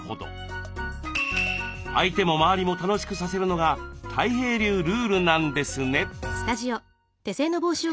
相手も周りも楽しくさせるのがたい平流ルールなんですね。